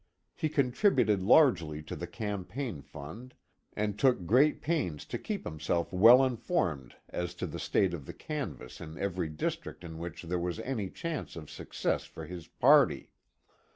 He contributed largely to the Campaign fund, and took great pains to keep himself well informed as to the state of the canvass in every district in which there was any chance of success for his party.